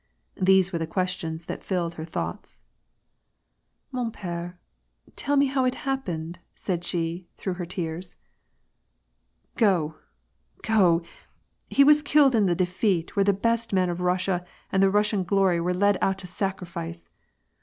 These were the questions tliat filled her thoughts. ^^Monp^re, tell me how it happened?" said she, through her tears. " Go, go ; he was killed in that defeat where the best men of Eussia and Russian glory were led out to sacrifice.